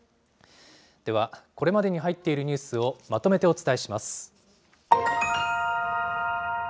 では、これまでに入っているニュースをまとめてお伝えします。